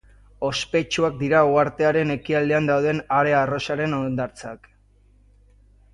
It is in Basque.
Ospetsuak dira uhartearen ekialdean dauden are arrosaren hondartzak.